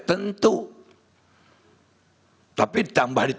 for the bulding gak ada apa apa sih sih